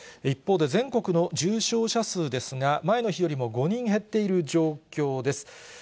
一方で全国の重症者数ですが、前の日よりも５人減っている状況です。